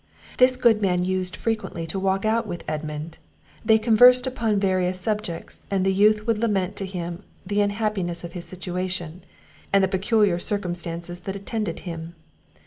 This good man used frequently to walk out with Edmund; they conversed upon various subjects; and the youth would lament to him the unhappiness of his situation, and the peculiar circumstances that attended him.